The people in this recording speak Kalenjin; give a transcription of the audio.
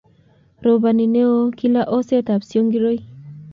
robani newon kila oset ab siongiroi